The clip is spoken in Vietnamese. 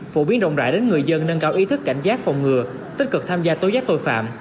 phổ biến rộng rãi đến người dân nâng cao ý thức cảnh giác phòng ngừa tích cực tham gia tối giác tội phạm